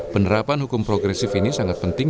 penerapan hukum progresif ini sangat penting